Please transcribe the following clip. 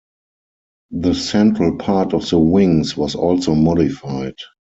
The central part of the wings was also modified.